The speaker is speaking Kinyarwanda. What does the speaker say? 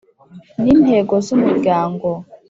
n intego z Umuryango